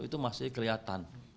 itu masih kecil